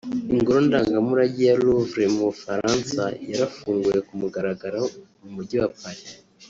Ingoro ndangamurage ya Louvre mu bufaransa yarafunguwe ku mugaragaro mu mujyi wa Paris